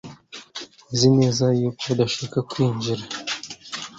Uzi neza ko udashaka kwinjira